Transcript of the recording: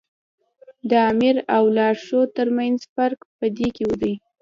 د آمر او لارښود تر منځ فرق په دې کې دی.